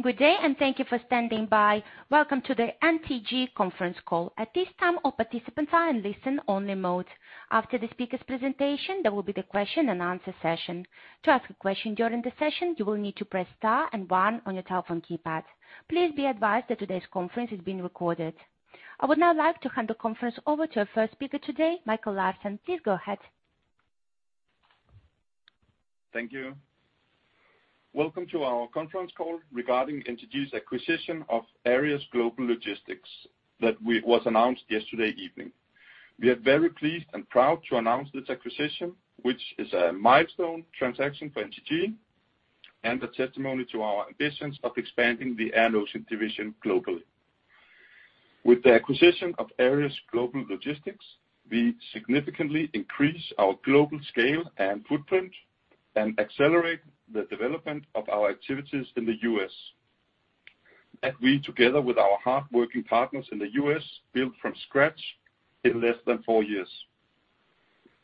Good day, and thank you for standing by. Welcome to the NTG conference call. At this time, all participants are in listen-only mode. After the speaker's presentation, there will be the question and answer session. To ask a question during the session, you will need to press star and one on your telephone keypad. Please be advised that today's conference is being recorded. I would now like to hand the conference over to our first speaker today, Michael Larsen. Please go ahead. Thank you. Welcome to our conference call regarding the acquisition of Aries Global Logistics that was announced yesterday evening. We are very pleased and proud to announce this acquisition, which is a milestone transaction for NTG and a testimony to our ambitions of expanding the Air & Ocean division globally. With the acquisition of Aries Global Logistics, we significantly increase our global scale and footprint and accelerate the development of our activities in the U.S., that we, together with our hardworking partners in the U.S., built from scratch in less than four years.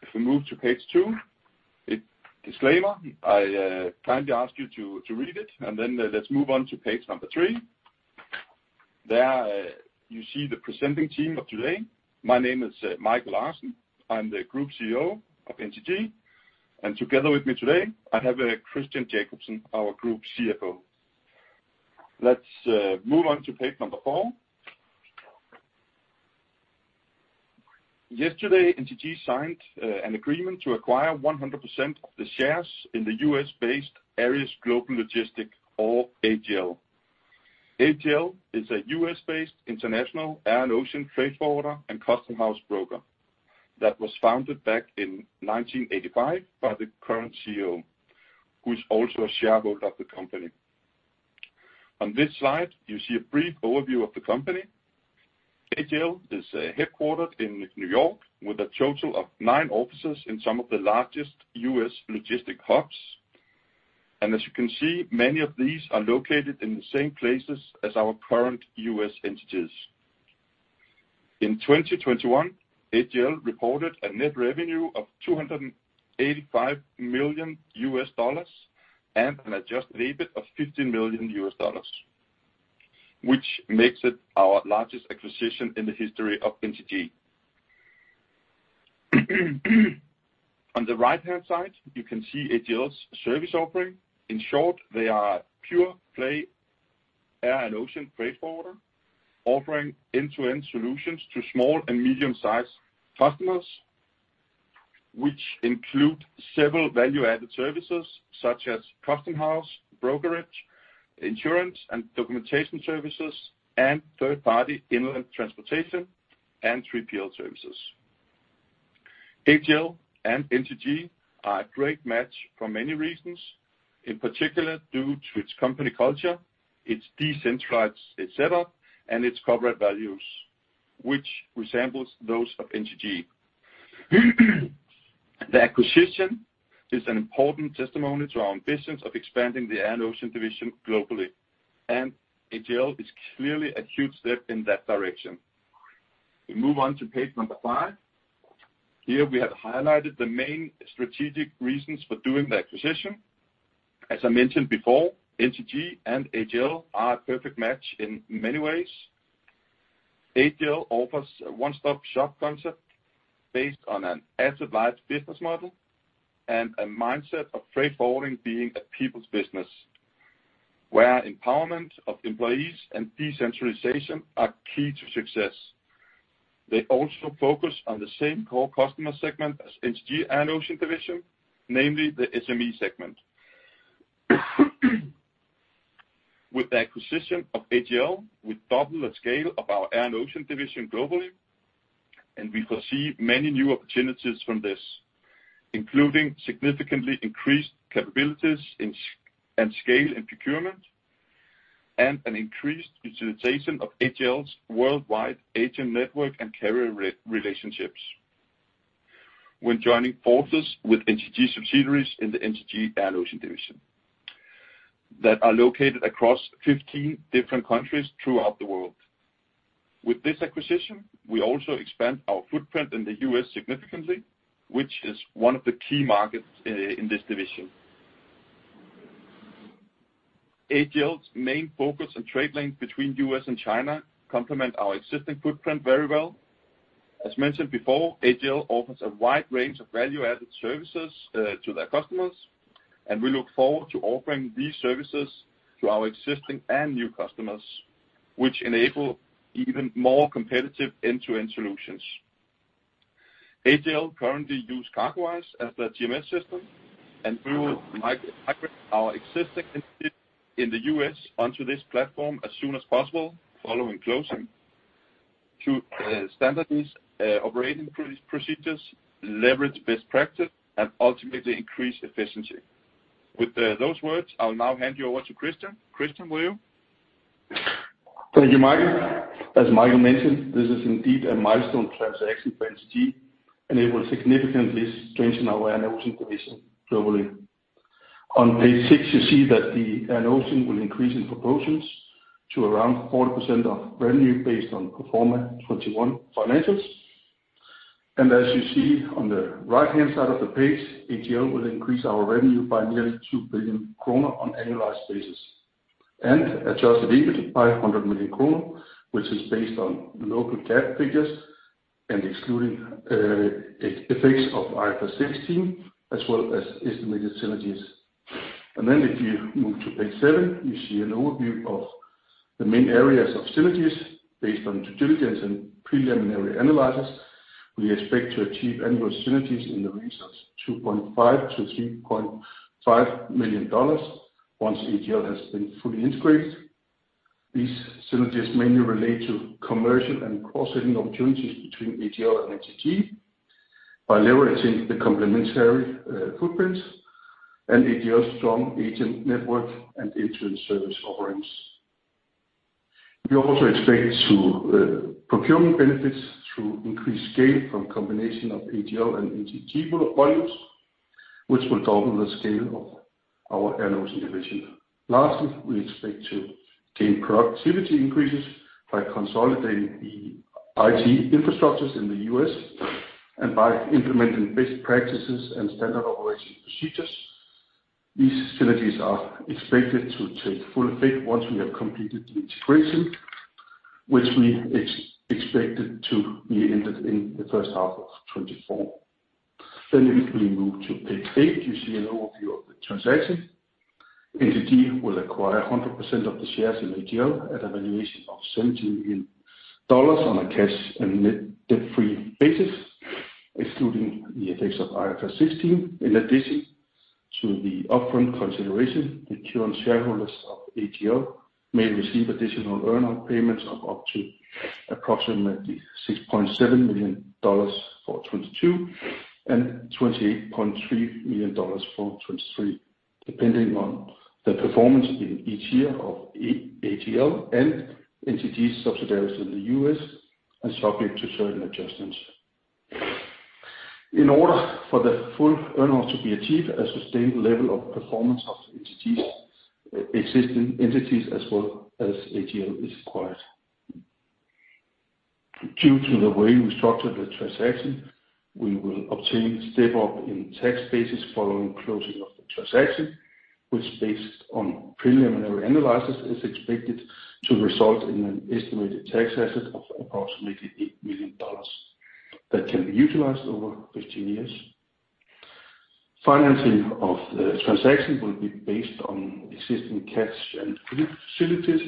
If we move to page two, disclaimer, I kindly ask you to read it, and then let's move on to page number three. There you see the presenting team of today. My name is Michael Larsen. I'm the Group CEO of NTG, and together with me today, I have Christian Jakobsen, our Group CFO. Let's move on to page four. Yesterday, NTG signed an agreement to acquire 100% of the shares in the U.S.-based Aries Global Logistics or AGL. AGL is a U.S.-based international air and ocean freight forwarder and customs house broker that was founded back in 1985 by the current CEO, who is also a shareholder of the company. On this slide, you see a brief overview of the company. AGL is headquartered in New York with a total of nine offices in some of the largest U.S. logistics hubs. As you can see, many of these are located in the same places as our current U.S. entities. In 2021, AGL reported a net revenue of $285 million and an adjusted EBIT of $15 million, which makes it our largest acquisition in the history of NTG. On the right-hand side, you can see AGL's service offering. In short, they are pure play Air & Ocean freight forwarder, offering end-to-end solutions to small and medium-sized customers, which include several value-added services such as customs house brokerage, insurance and documentation services, and third-party inland transportation and 3PL services. AGL and NTG are a great match for many reasons, in particular, due to its company culture, its decentralized setup, and its corporate values, which resembles those of NTG. The acquisition is an important testimony to our ambitions of expanding the Air & Ocean division globally, and AGL is clearly a huge step in that direction. We move on to page five. Here we have highlighted the main strategic reasons for doing the acquisition. As I mentioned before, NTG and AGL are a perfect match in many ways. AGL offers a one-stop-shop concept based on an asset-light business model and a mindset of freight forwarding being a people's business, where empowerment of employees and decentralization are key to success. They also focus on the same core customer segment as NTG Air & Ocean division, namely the SME segment. With the acquisition of AGL, we double the scale of our Air & Ocean division globally, and we foresee many new opportunities from this, including significantly increased capabilities and scale and procurement, and an increased utilization of AGL's worldwide agent network and carrier relationships when joining forces with NTG subsidiaries in the NTG Air & Ocean division that are located across 15 different countries throughout the world. With this acquisition, we also expand our footprint in the U.S. significantly, which is one of the key markets in this division. AGL's main focus on trade lanes between U.S. and China complement our existing footprint very well. As mentioned before, AGL offers a wide range of value-added services to their customers, and we look forward to offering these services to our existing and new customers, which enable even more competitive end-to-end solutions. AGL currently use CargoWise as their TMS system, and we will migrate our existing entity in the U.S. onto this platform as soon as possible following closing to standardize operating procedures, leverage best practice, and ultimately increase efficiency. With those words, I'll now hand you over to Christian. Christian, will you? Thank you, Michael. As Michael mentioned, this is indeed a milestone transaction for NTG, and it will significantly strengthen our Air & Ocean division globally. On page six, you see that the Air & Ocean will increase in proportions to around 40% of revenue based on pro forma 2021 financials. As you see on the right-hand side of the page, AGL will increase our revenue by nearly 2 billion kroner on annualized basis, and adjusted EBIT by 100 million kroner, which is based on local GAAP figures and excluding effects of IFRS 16, as well as estimated synergies. If you move to page seven, you see an overview of the main areas of synergies based on due diligence and preliminary analysis. We expect to achieve annual synergies in the range of $2.5 million-$3.5 million once AGL has been fully integrated. These synergies mainly relate to commercial and cross-selling opportunities between AGL and NTG by leveraging the complementary footprint and AGL's strong agent network and agent service offerings. We also expect procurement benefits through increased scale from combination of AGL and NTG product volumes, which will double the scale of our A&O division. Lastly, we expect to gain productivity increases by consolidating the IT infrastructures in the U.S. and by implementing best practices and standard operating procedures. These synergies are expected to take full effect once we have completed the integration, which we expect to end in the first half of 2024. If we move to page eight, you see an overview of the transaction. NTG will acquire 100% of the shares in AGL at a valuation of $70 million on a cash and net-debt free basis, excluding the effects of IFRS 16. In addition to the upfront consideration, the current shareholders of AGL may receive additional earn-out payments of up to approximately $6.7 million for 2022 and $28.3 million for 2023, depending on the performance in each year of AGL and NTG's subsidiaries in the U.S., and subject to certain adjustments. In order for the full earn-out to be achieved, a sustained level of performance of entities, existing entities as well as AGL is required. Due to the way we structured the transaction, we will obtain step-up in tax basis following closing of the transaction, which based on preliminary analysis, is expected to result in an estimated tax asset of approximately $8 million that can be utilized over 15 years. Financing of the transaction will be based on existing cash and credit facilities,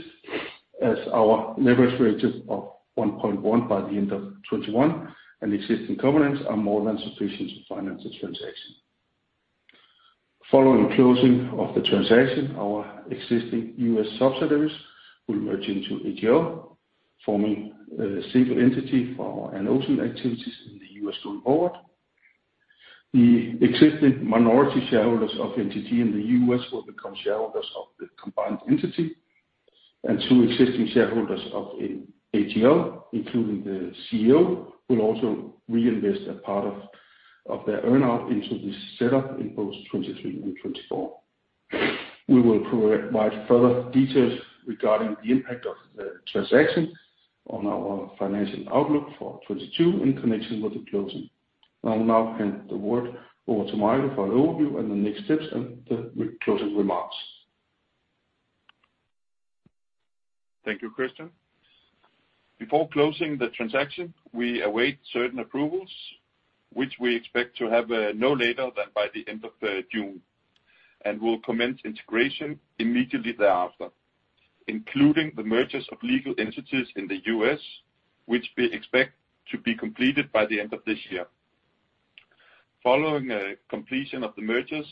as our leverage ratio of 1.1 by the end of 2021, and existing covenants are more than sufficient to finance the transaction. Following closing of the transaction, our existing U.S. subsidiaries will merge into AGL, forming a single entity for our A&O activities in the U.S. going forward. The existing minority shareholders of NTG in the U.S. will become shareholders of the combined entity, and two existing shareholders of AGL, including the CEO, will also reinvest a part of their earn-out into this setup in both 2023 and 2024. We will provide further details regarding the impact of the transaction on our financial outlook for 2022 in connection with the closing. I will now hand the word over to Michael for an overview and the next steps, and the closing remarks. Thank you, Christian. Before closing the transaction, we await certain approvals, which we expect to have no later than by the end of June, and will commence integration immediately thereafter, including the mergers of legal entities in the U.S., which we expect to be completed by the end of this year. Following completion of the mergers,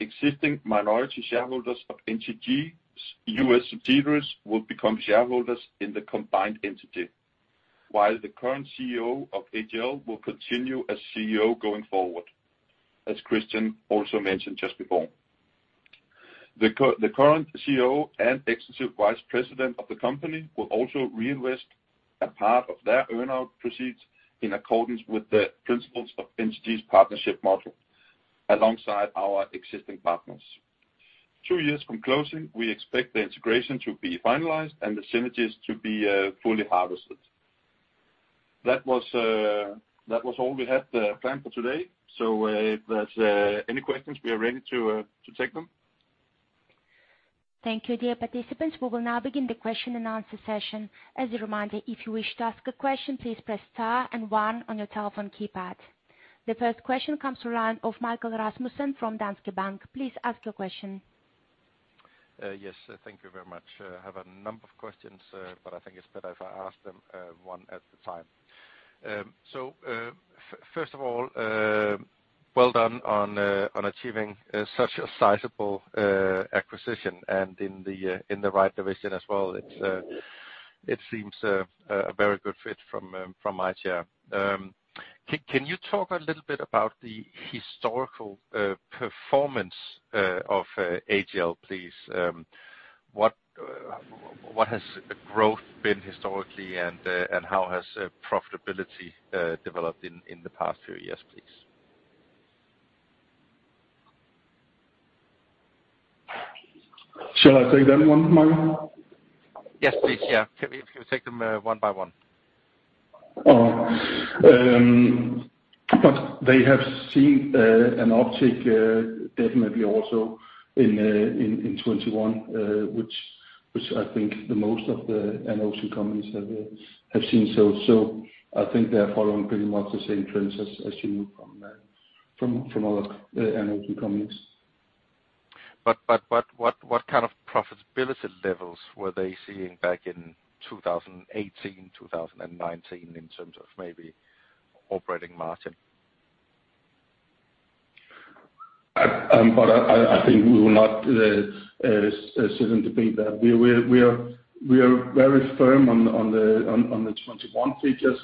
existing minority shareholders of NTG's U.S. subsidiaries will become shareholders in the combined entity, while the current CEO of AGL will continue as CEO going forward, as Christian also mentioned just before. The current CEO and Executive Vice President of the company will also reinvest a part of their earn-out proceeds in accordance with the principles of NTG's partnership model alongside our existing partners. Two years from closing, we expect the integration to be finalized and the synergies to be fully harvested. That was all we had planned for today. If there's any questions, we are ready to take them. Thank you, dear participants. We will now begin the question and answer session. As a reminder, if you wish to ask a question, please press star and one on your telephone keypad. The first question comes from the line of Michael Vitfell-Rasmussen from Danske Bank. Please ask your question. Yes. Thank you very much. I have a number of questions, but I think it's better if I ask them one at a time. First of all, well done on achieving such a sizable acquisition and in the right division as well. It seems a very good fit from my chair. Can you talk a little bit about the historical performance of AGL, please? What has growth been historically and how has profitability developed in the past few years, please? Shall I take that one, Michael? Yes, please. Yeah. Can we take them, one by one? They have seen an uptick, definitely also in 2021, which I think the most of the Nordic companies have seen. I think they are following pretty much the same trends as you've seen from other Nordic companies. What kind of profitability levels were they seeing back in 2018, 2019 in terms of maybe operating margin? I think we will not sit and debate that. We are very firm on the 2021 figures.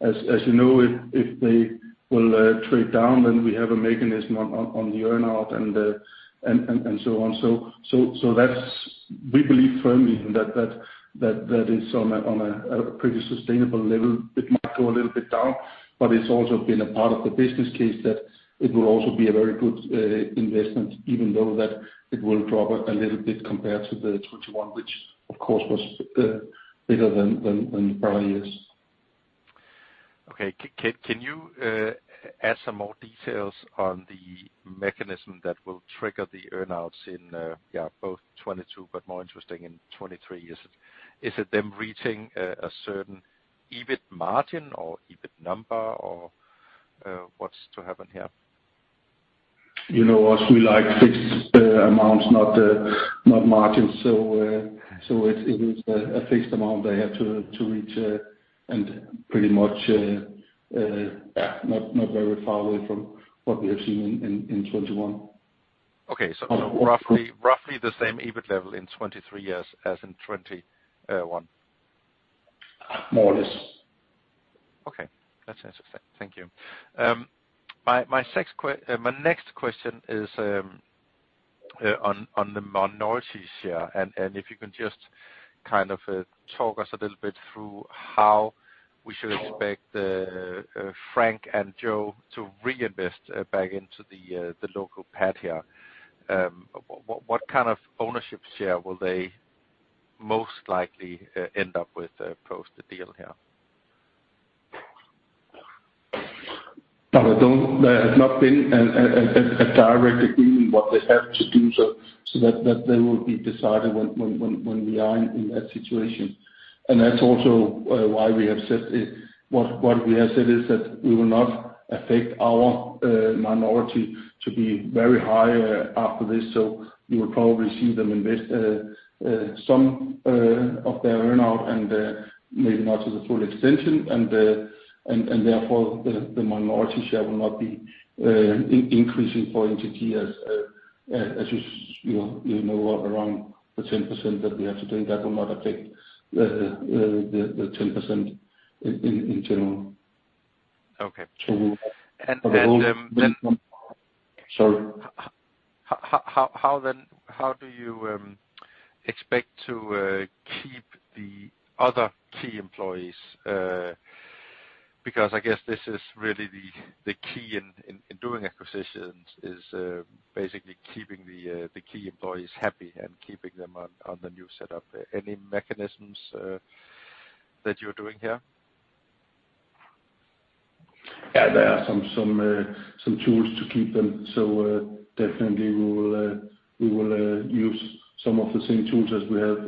As you know, if they will trade down, then we have a mechanism on the earn-out and so on. We believe firmly that is on a pretty sustainable level. It might go a little bit down, but it's also been a part of the business case that it will also be a very good investment even though that it will drop a little bit compared to the 2021, which of course was bigger than prior years. Okay. Can you add some more details on the mechanism that will trigger the earn-outs in both 2022, but more interesting in 2023 years? Is it them reaching a certain EBIT margin or EBIT number or what's to happen here? You know us, we like fixed amounts, not margins. So it's a fixed amount they have to reach, and pretty much yeah, not very far away from what we have seen in 2021. Okay. Roughly the same EBIT level in 2023 as in 2021. More or less. Okay. That's interesting. Thank you. My next question is on the minorities here, and if you can just kind of talk us a little bit through how we should expect Frank and Joe to reinvest back into the local pad here. What kind of ownership share will they most likely end up with post the deal here? No, they don't. There has not been a direct agreement what they have to do, so that they will be decided when we are in that situation. That's also why we have said what we have said is that we will not affect our minority to be very high after this. You will probably see them invest some of their earn-out and therefore the minority share will not be increasing for NTG as you know around the 10% that we have today. That will not affect the 10% in general. Okay. So. And then, um, then- Sorry. How do you expect to keep the other key employees? Because I guess this is really the key in doing acquisitions is basically keeping the key employees happy and keeping them on the new setup. Any mechanisms that you're doing here? Yeah, there are some tools to keep them. Definitely we will use some of the same tools as we have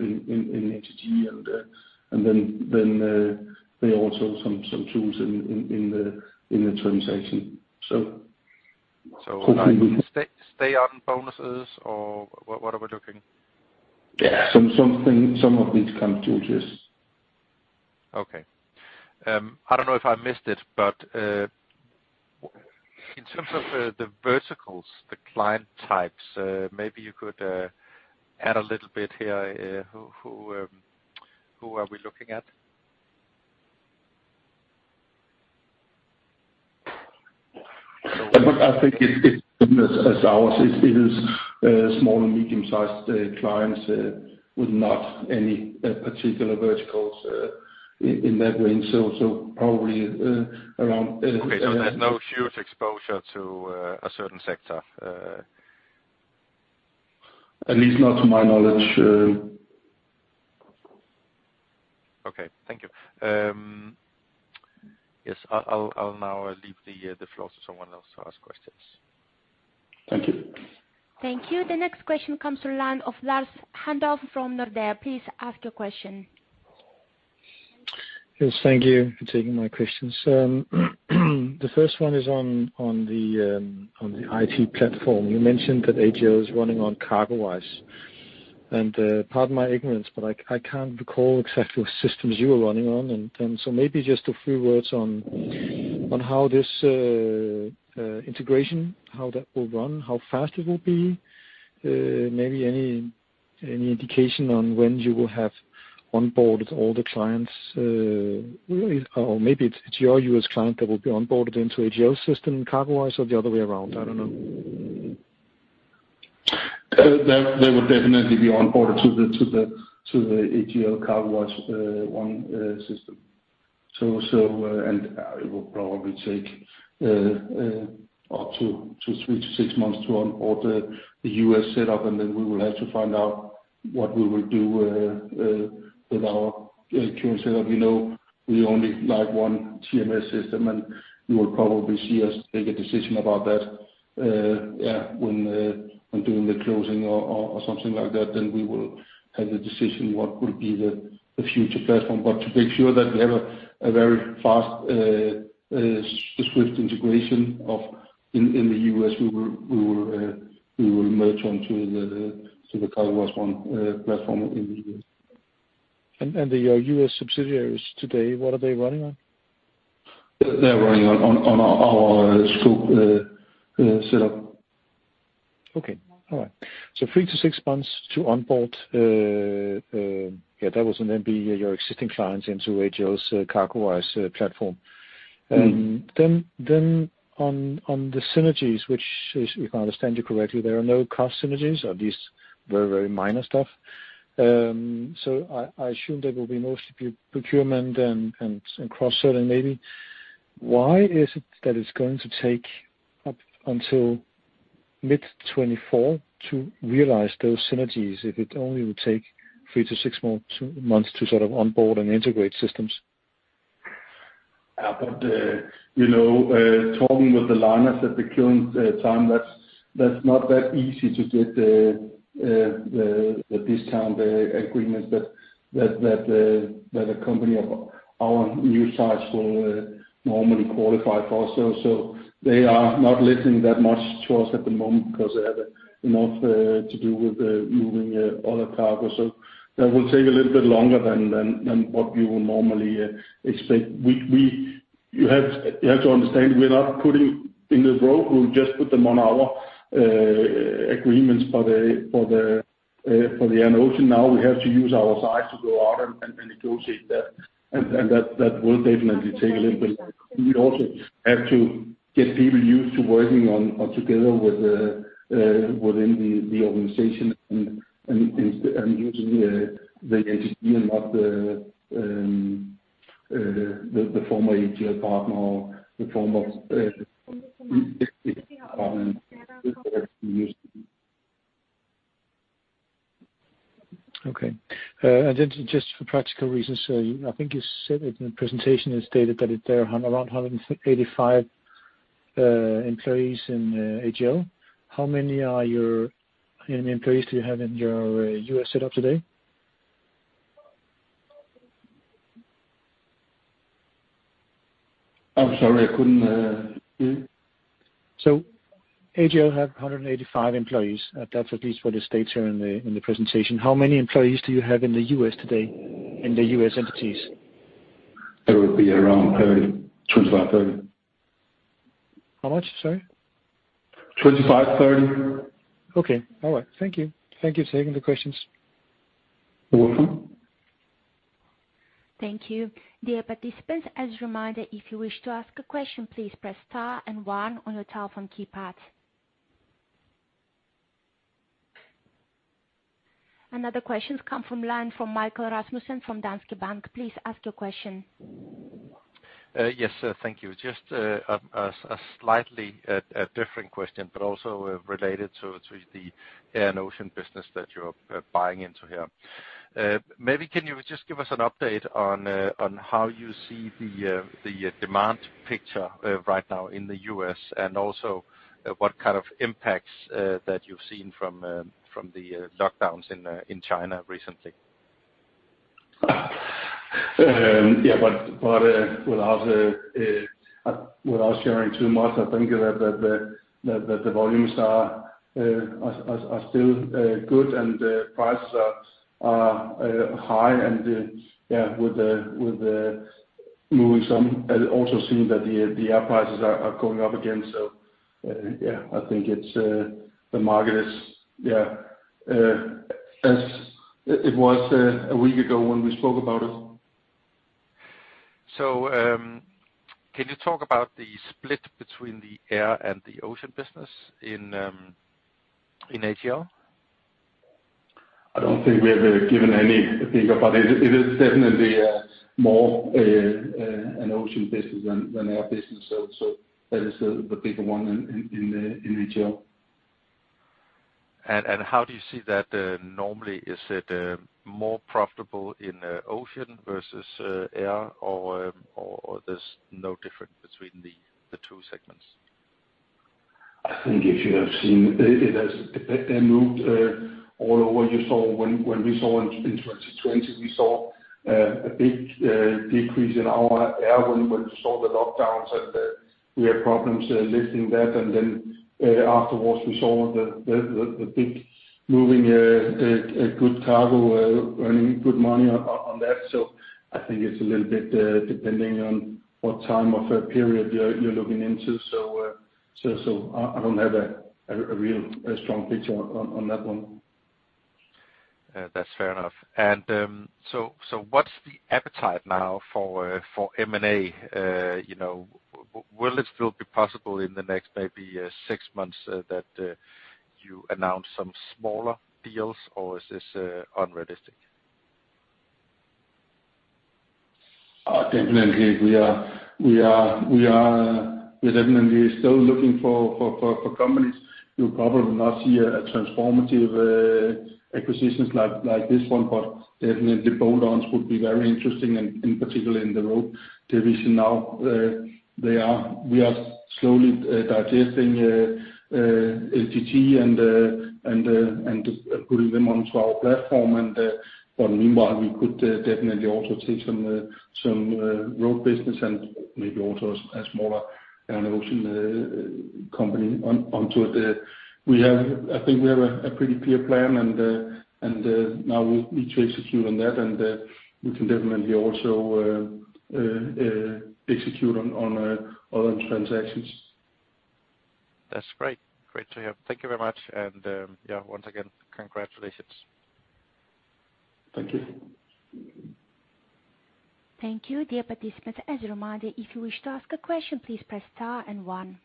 in NTG and then there are also some tools in the transaction. Like stay-on bonuses or what are we looking? Yeah. Some of it comes to this. Okay. I don't know if I missed it, but in terms of the verticals, the client types, maybe you could add a little bit here. Who are we looking at? I think it's a source. It is small- and medium-sized clients with not any particular verticals in that range. Probably around, Okay. There's no huge exposure to a certain sector. At least not to my knowledge. Okay. Thank you. Yes, I'll now leave the floor to someone else to ask questions. Thank you. Thank you. The next question comes from the line of Lars Heindorff from Nordea. Please ask your question. Yes, thank you for taking my questions. The first one is on the IT platform. You mentioned that AGL is running on CargoWise. Pardon my ignorance, but I can't recall exactly what systems you were running on. Maybe just a few words on how this integration, how that will run, how fast it will be. Maybe any indication on when you will have onboarded all the clients, or maybe it's your U.S. Client that will be onboarded into AGL system CargoWise or the other way around? I don't know. They will definitely be onboarded to the AGL CargoWise One system. It will probably take up to three to six months to onboard the U.S. setup, and then we will have to find out what we will do with our current setup. We know we only like one TMS system, and you will probably see us make a decision about that when doing the closing or something like that, then we will have the decision what will be the future platform. To make sure that we have a very fast swift integration in the U.S. we will merge onto the CargoWise One platform in the U.S. Your U.S. subsidiaries today, what are they running on? They're running on our Scope set up. Three to six months to onboard your existing clients into AGL's CargoWise platform. Mm-hmm. On the synergies, if I understand you correctly, there are no cost synergies, or these very minor stuff. I assume there will be mostly procurement and some cross-selling maybe. Why is it that it's going to take up until mid-2024 to realize those synergies if it only would take three to six more months to sort of onboard and integrate systems? You know, talking with the liners at the current time, that's not that easy to get the discount agreements that a company of our new size will normally qualify for. They are not listening that much to us at the moment because they have enough to do with moving other cargo. That will take a little bit longer than what you would normally expect. You have to understand, we're not putting in the road, we'll just put them on our agreements for the Air & Ocean now. We have to use our size to go out and negotiate that. That will definitely take a little bit longer. We also have to get people used to working together within the organization and using the HD and not the former HCL partner or the former department used to be. Okay. Just for practical reasons, I think you said it in the presentation. There are around 158 employees in AGL. How many employees do you have in your U.S. setup today? I'm sorry, I couldn't hear you. AGL have 185 employees. That's at least what it states here in the presentation. How many employees do you have in the U.S. today, in the U.S. entities? That would be around 30, 25, 30. How much? Sorry. 25, 30. Okay. All right. Thank you. Thank you for taking the questions. You're welcome. Thank you. Dear participants, as a reminder, if you wish to ask a question, please press star and one on your telephone keypad. Another question comes from the line of Michael Vitfell-Rasmussen from Danske Bank. Please ask your question. Yes, thank you. Just a slightly different question, but also related to the Air & Ocean business that you're buying into here. Maybe can you just give us an update on how you see the demand picture right now in the U.S., and also what kind of impacts that you've seen from the lockdowns in China recently? Without sharing too much, I think that the volumes are still good and the prices are high. I also see that the air prices are going up again, so yeah, I think the market is as it was a week ago when we spoke about it. Can you talk about the split between the air and the ocean business in AGL? I don't think we have given any figure, but it is definitely a more an ocean business than air business. So that is the bigger one in AGL. How do you see that normally? Is it more profitable in ocean versus air, or there's no difference between the two segments? I think if you have seen it has moved all over. You saw when we saw in 2020 we saw a big decrease in our air wing when we saw the lockdowns and we had problems lifting that. Afterwards, we saw the big move in good cargo earning good money on that. I think it's a little bit depending on what time period you're looking into. I don't have a real strong picture on that one. That's fair enough. What's the appetite now for M&A? Will it still be possible in the next maybe six months that you announce some smaller deals or is this unrealistic? Definitely, we are definitely still looking for companies. You'll probably not see a transformative acquisition like this one, but definitely the bolt-ons would be very interesting and in particular in the road division now. We are slowly digesting LGT and putting them onto our platform, but meanwhile, we could definitely also take some road business and maybe also a smaller air and ocean company onto it. I think we have a pretty clear plan, and now we'll need to execute on that. We can definitely also execute on other transactions. That's great. Great to hear. Thank you very much. Yeah, once again, congratulations. Thank you. Thank you, dear participants. As a reminder, if you wish to ask a question, please press star and one.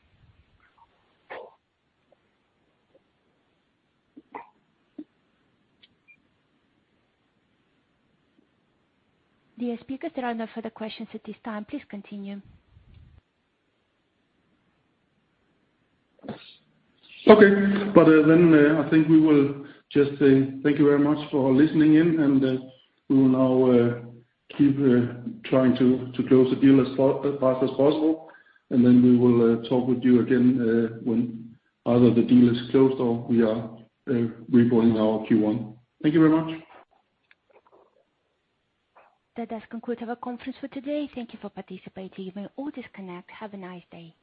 Dear speakers, there are no further questions at this time. Please continue. Okay. Then I think we will just say thank you very much for listening in, and we will now keep trying to close the deal as fast as possible. Then we will talk with you again when either the deal is closed or we are reporting our Q1. Thank you very much. That does conclude our conference for today. Thank you for participating. You may all disconnect. Have a nice day.